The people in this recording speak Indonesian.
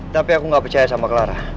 tapi aku nggak percaya sama clara